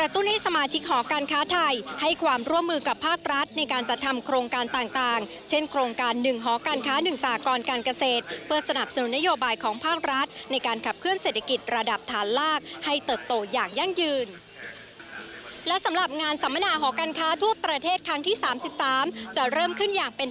ตุ้นให้สมาชิกหอการค้าไทยให้ความร่วมมือกับภาครัฐในการจัดทำโครงการต่างเช่นโครงการ๑หอการค้า๑สากรการเกษตรเพื่อสนับสนุนนโยบายของภาครัฐในการขับเคลื่อเศรษฐกิจระดับฐานลากให้เติบโตอย่างยั่งยืนและสำหรับงานสัมมนาหอการค้าทั่วประเทศครั้งที่๓๓จะเริ่มขึ้นอย่างเป็น